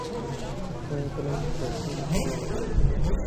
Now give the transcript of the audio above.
هغه قلم چې په پښتو لیکي ډېر ارزښت لري.